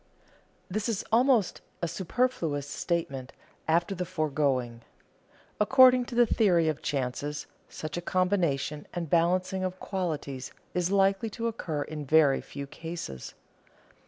_ This is almost a superfluous statement after the foregoing. According to the theory of chances, such a combination and balancing of qualities is likely to occur in very few cases.